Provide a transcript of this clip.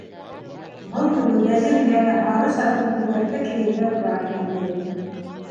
Был юлы Вәзиргә лә һары сатин күлдәкте кейергә тура килде.